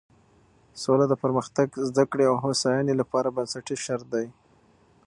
سوله د پرمختګ، زده کړې او هوساینې لپاره بنسټیز شرط دی.